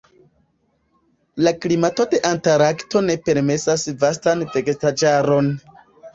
La klimato de Antarkto ne permesas vastan vegetaĵaron.